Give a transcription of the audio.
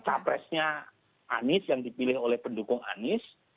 capresnya anies yang dipilih oleh pendukung anies